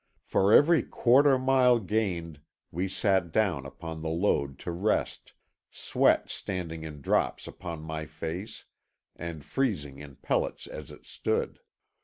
For every quarter mile gained we sat down upon the load to rest, sweat standing in drops upon my face and freezing in pellets as it stood.